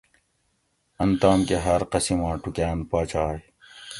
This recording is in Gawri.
ان تام کہ ہاۤر قسیماں ٹوکاۤن پاچائے